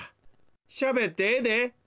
しゃべってええで。